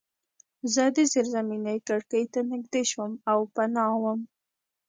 زه د زیرزمینۍ کړکۍ ته نږدې شوم او پناه وم